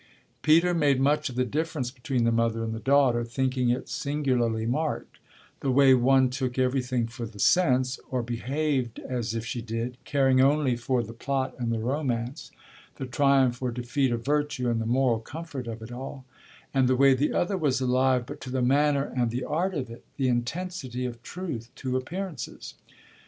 Peter made much of the difference between the mother and the daughter, thinking it singularly marked the way one took everything for the sense, or behaved as if she did, caring only for the plot and the romance, the triumph or defeat of virtue and the moral comfort of it all, and the way the other was alive but to the manner and the art of it, the intensity of truth to appearances.